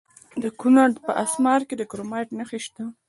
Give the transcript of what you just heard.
د کونړ په اسمار کې د کرومایټ نښې شته.